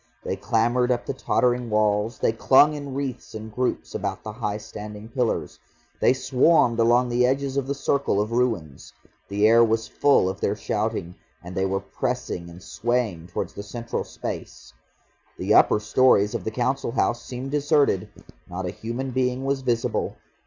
They clambered up the tottering walls, they clung in wreaths and groups about the high standing pillars. They swarmed along the edges of the circle of ruins. The air was full of their shouting, and they were pressing and swaying towards the central space. The upper storeys of the Council House seemed deserted, not a human being was visible.